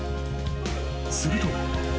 ［すると］